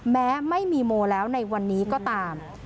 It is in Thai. แม้ไม่มีโมแล้วในวันนี้ก็ตาม